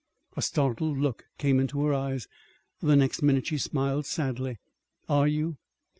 A startled look came into her eyes. The next minute she smiled sadly. "Are you?